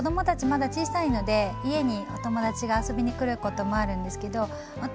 まだ小さいので家にお友達が遊びに来ることもあるんですけど私